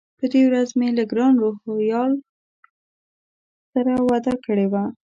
په دې ورځ مې له ګران روهیال سره وعده کړې وه.